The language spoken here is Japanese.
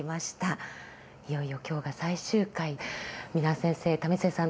いよいよ今日が最終回蓑輪先生為末さん